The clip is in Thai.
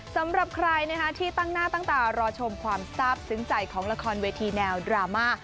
สำหรับใครที่ตั้งหน้าตั้งตารอชมความทราบซึ้งใจของละครเวทีแนวดราม่า